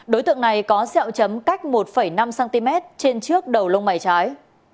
đối tượng này có xeo chấm cách một năm cm trên trước đầu lông mày trái